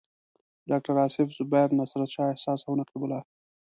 ډاکټر اصف زبیر، نصرت شاه احساس او نقیب الله.